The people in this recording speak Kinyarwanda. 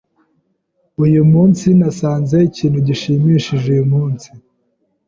Uyu munsi nasanze ikintu gishimishije uyu munsi.